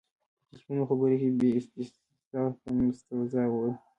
په تلیفوني خبرو کې یې استیضاح ته مستوزا وویل.